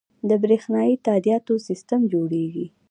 د بریښنایی تادیاتو سیستم جوړیږي